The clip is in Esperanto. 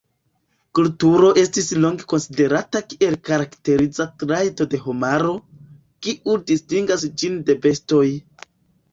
Kulturo estis longe konsiderata kiel karakteriza trajto de homaro, kiu distingas ĝin de bestoj.